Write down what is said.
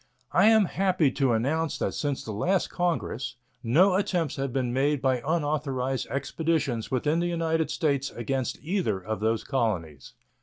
I am happy to announce that since the last Congress no attempts have been made by unauthorized expeditions within the United States against either of those colonies.